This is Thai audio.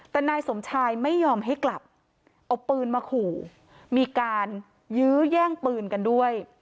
แต่นายสมชายไม่ยอมให้กลับเอาปืนมาขู่มีการยื้อแย่งปืนกันด้วย